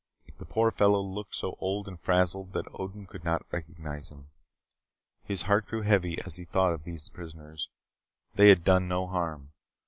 The poor fellow looked so old and frazzled that Odin could not recognize him. His heart grew heavy as he thought of those prisoners. They had done no harm.